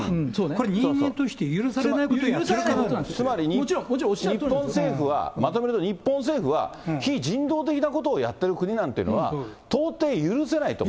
これ、人間として許されないこと許されないことなんですよ、つまり、まとめると、日本政府は、非人道的なことをやってる国なんていうのは、到底許許せない。